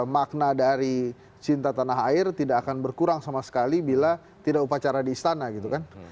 makna dari cinta tanah air tidak akan berkurang sama sekali bila tidak upacara di istana gitu kan